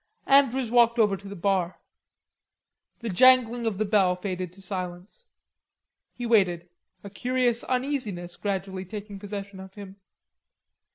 Andrews walked over to the bar. The jangling of the bell faded to silence. He waited, a curious uneasiness gradually taking possession of him.